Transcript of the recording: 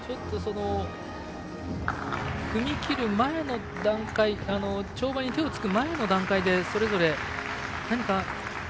踏み切る前の段階跳馬に手をつく前の段階でそれぞれ何か。